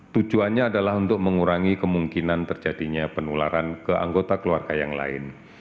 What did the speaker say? tujuannya adalah untuk mengurangi kemungkinan terjadinya penularan keantaraan